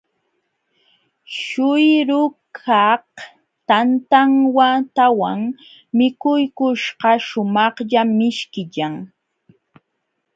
Śhuyrukaq tantantawan mikuykuśhqa shumaqlla mishkillam.